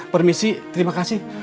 permisi terima kasih